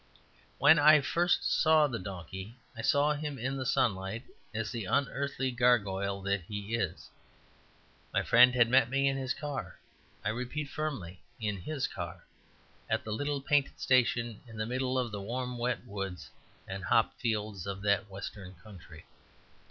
When first I saw the donkey I saw him in the sunlight as the unearthly gargoyle that he is. My friend had met me in his car (I repeat firmly, in his car) at the little painted station in the middle of the warm wet woods and hop fields of that western country.